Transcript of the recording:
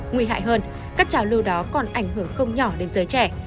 nguy hại hơn các trào lưu đó còn ảnh hưởng không nhỏ đến giới trẻ